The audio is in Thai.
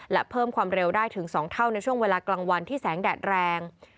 และเพิ่มความเร็วได้ถึง๒เท่าในช่วงเวลากลางวันที่แสงแดดแรง